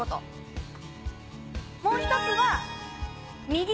もう一つは。